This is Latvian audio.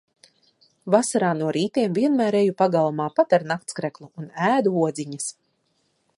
Vasarā no rītiem vienmēr eju pagalmā pat ar naktskreklu un ēdu odziņas.